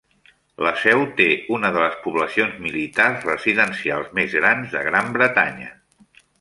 La seu té una de les poblacions militars residencials més grans de Gran Bretanya.